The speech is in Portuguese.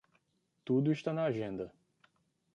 Tudo está na agenda.